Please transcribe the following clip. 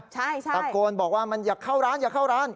ใช่ตะโกนบอกว่ามันอย่าเข้าร้านอย่าเข้าร้าน